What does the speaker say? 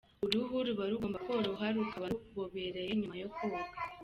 Uruhu ruba rugomba koroha rukaba rubobereye nyuma yo koga.